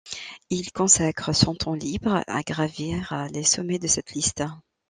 Il consacre son temps libre à gravir les sommets de cette liste.